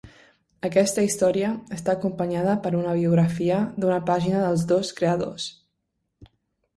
Aquesta història està acompanyada per una biografia d'una pàgina dels dos creadors.